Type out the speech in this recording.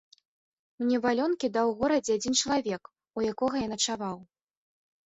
Мне валёнкі даў у горадзе адзін чалавек, у якога я начаваў.